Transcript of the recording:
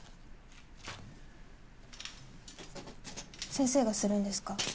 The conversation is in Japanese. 先生がするんですか？